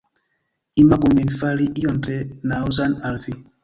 Imagu min fari ion tre naŭzan al vi